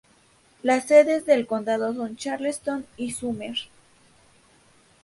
Las sedes del condado son Charleston y Summer.